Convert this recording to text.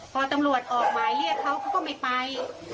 พอตำรวจออกหมายเรียกเขาเขาก็ไม่ไป